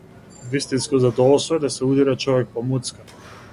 Вистинско задоволство е да се удира човек по муцка!